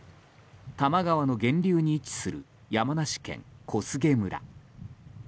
多摩川の源流に位置する山梨県小菅村。